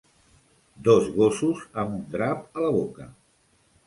Dos gossos amb un drap a la boca